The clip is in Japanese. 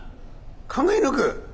「考え抜く？